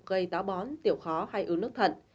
gây táo bón tiểu khó hay ướng nước thận